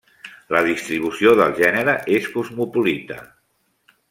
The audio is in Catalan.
La distribució del gènere és cosmopolita.